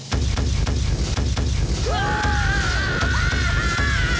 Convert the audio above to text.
うわ！